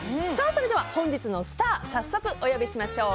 それでは、本日のスター早速お呼びしましょう。